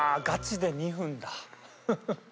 ガチで２分だ。